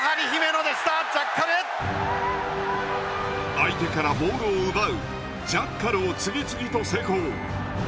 相手からボールを奪うジャッカルを次々と成功。